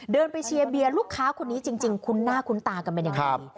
เดินไปเชียร์เบียร์ลูกค้าคนนี้จริงคุ้นหน้าคุ้นตากันเป็นยังไง